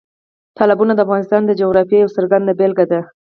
تالابونه د افغانستان د جغرافیې یوه څرګنده بېلګه ده.